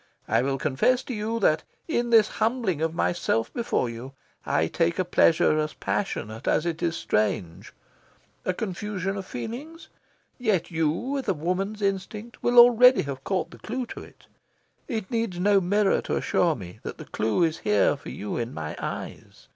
I will confess to you that, in this humbling of myself before you, I take a pleasure as passionate as it is strange. A confusion of feelings? Yet you, with a woman's instinct, will have already caught the clue to it. It needs no mirror to assure me that the clue is here for you, in my eyes.